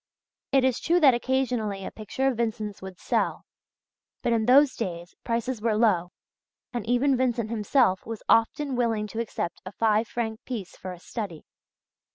It is true that occasionally a picture of Vincent's would sell; but in those days prices were low, and even Vincent himself was often willing to accept a five franc piece for a study.